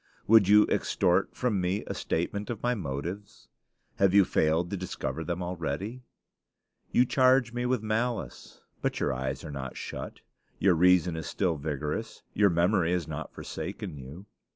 Would you extort from me a statement of my motives? Have you failed to discover them already? You charge me with malice: but your eyes are not shut; your reason is still vigorous; your memory has not forsaken you.